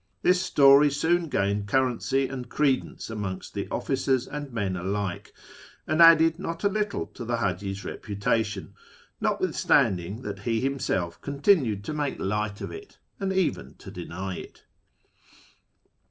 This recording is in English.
This story soon gained currency and credence amongst officers and men alike, and added not a little to the Haji's reputation, notwithstanding that he himself con tinued to make light of it, and even to deny it.